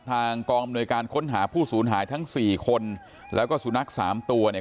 ทางกองอำนวยการค้นหาผู้สูญหายทั้งสี่คนแล้วก็สุนัขสามตัวเนี่ย